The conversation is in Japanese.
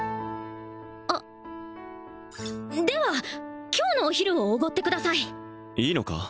あでは今日のお昼をおごってくださいいいのか？